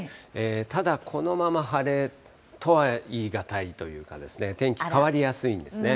ただこのまま晴れとは言い難いというかですね、天気、変わりやすいんですね。